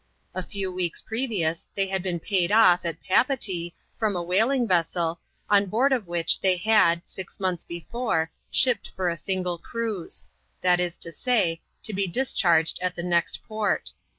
A few weeks previous, they had been paid off, at Papeetee, from a whaling vessel, on board of which they had, six months before, shipped for a single cruise ; that is to saj, to be dis charged at the next port.